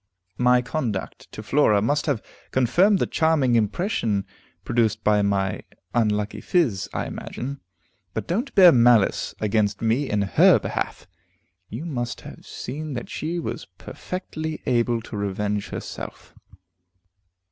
"My conduct to Flora must have confirmed the charming impression produced by my unlucky phiz, I imagine. But don't bear malice against me in her behalf; you must have seen that she was perfectly able to revenge herself."